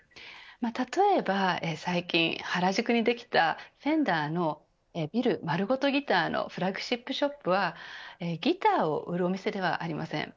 例えば最近原宿にできたフェンダーのビル丸ごとギターのフラッグシップショップはギターを売るお店ではありません。